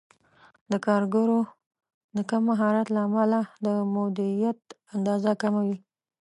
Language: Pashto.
د کارګرو د کم مهارت له امله د مولدیت اندازه کمه وي.